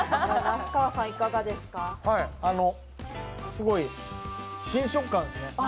すごい新食感ですね。